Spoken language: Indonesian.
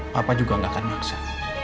papa juga gak akan ngeaksa